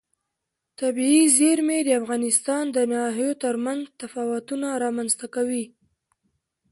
طبیعي زیرمې د افغانستان د ناحیو ترمنځ تفاوتونه رامنځ ته کوي.